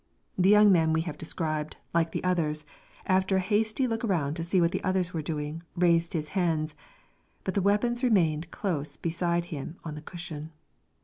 The young man we have described, like the others, after a hasty look around to see what the others were doing, raised his hands, but the weapons remained close beside him on the cushion.